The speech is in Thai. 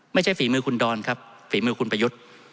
ฝีมือคุณดอนครับฝีมือคุณประยุทธ์